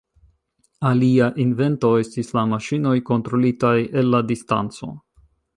Alia invento estis la maŝinoj kontrolitaj el la distanco.